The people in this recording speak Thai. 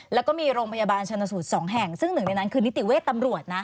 แล้วก็มีโรงพยาบาลชนสูตร๒แห่งซึ่งหนึ่งในนั้นคือนิติเวชตำรวจนะ